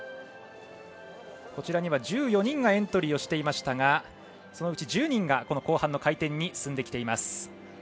こちらには１４人がエントリーしていましたがそのうち１０人が後半の回転に進んできています。